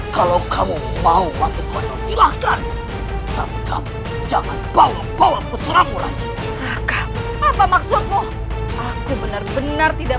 kalau kamu mau waktu silahkan jangan bawa bawa putramu lagi apa maksudmu benar benar tidak